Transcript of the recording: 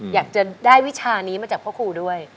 อยากจะได้วิชานี้มาจากพ่อครูด้วย